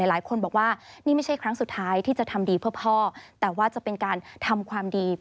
หลายคนบอกว่านี่ไม่ใช่ครั้งสุดท้ายที่จะทำดีเพื่อพ่อแต่ว่าจะเป็นการทำความดี